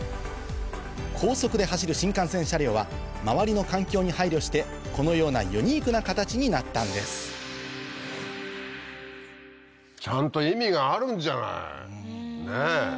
高速で走る新幹線車両は周りの環境に配慮してこのようなユニークな形になったんですちゃんと意味があるんじゃない！ねぇ。